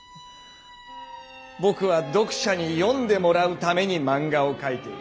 僕は読者に「読んでもらうため」にマンガを描いている！